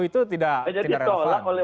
itu tidak jadi tolak oleh